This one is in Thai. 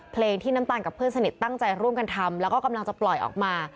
เพลงที่น้ำตาลกับเพื่อนสนิทตั้งใจร่วมกันทำแล้วก็กำลังจะปล่อยออกมา